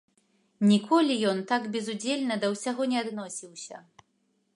Ніколі ён так безудзельна да ўсяго не адносіўся.